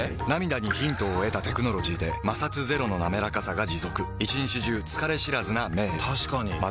涙にヒントを得たテクノロジーで摩擦ゼロのなめらかさが持続一日中疲れ知らずな目へ確かに。